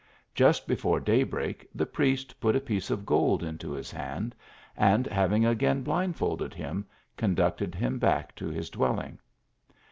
Just before day break the priest put a piece of gold into his hand, and hav ing again blindfolded him, conducted him back to his dwelling.